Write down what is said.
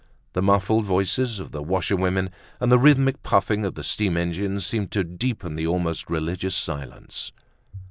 The muffled voices of the washerwomen and the rhythmic puffing of the steam engine seemed to deepen the almost religious silence.